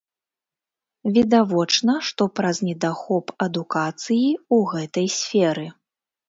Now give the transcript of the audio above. Відавочна, што праз недахоп адукацыі ў гэтай сферы.